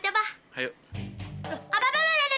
jangan lupa subscribe ya